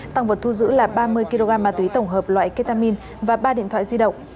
tăng vật thu giữ là ba mươi kg ma túy tổng hợp loại ketamine và ba điện thoại di động